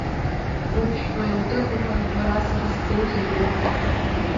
Уԥшәма илдыруама уара сара сзы узакәу?